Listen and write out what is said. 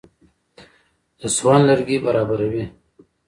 د سون لرګي برابروي.